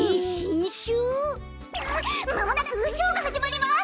まもなくショーがはじまります！